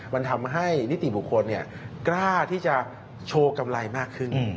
มันทำให้นิติบุคคลกล้าที่จะโชว์กำไรมากขึ้น